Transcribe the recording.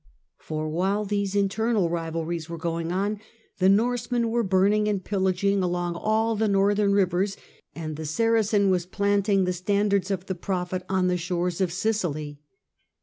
For while these internal rivalries were going on, the Norseman was burning and pillaging along all the northern rivers, and the Saracen was planting the stan dards of the prophet on the shores of Sicily.